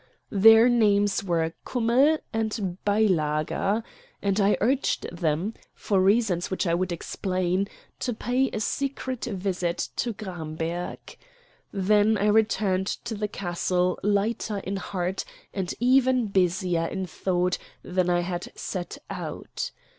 Their names were Kummell and Beilager; and I urged them, for reasons which I would explain, to pay a secret visit to Gramberg. Then I returned to the castle lighter in heart and even busier in thought than I had set out.